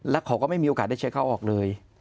แล้วเขาก็ไม่มีโอกาสได้เช็คเข้าออกเลย